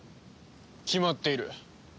決まっている。